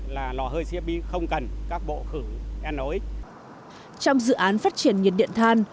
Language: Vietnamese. là lò hơi cfb không cần các bộ khử nox trong dự án phát triển nhiệt điện than